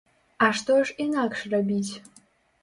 А што ж інакш рабіць?